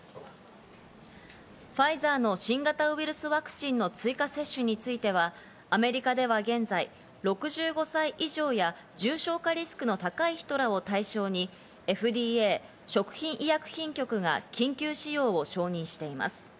ファイザーの新型ウイルスワクチンの追加接種については、アメリカでは現在、６５歳以上や重症化リスクの高い人らを対象にＦＤＡ＝食品医薬品局が緊急使用を承認しています。